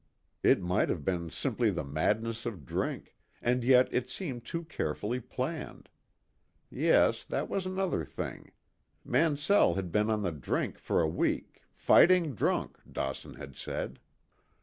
It might have been simply the madness of drink, and yet it seemed too carefully planned. Yes, that was another thing. Mansell had been on the drink for a week, "fighting drunk," Dawson had said.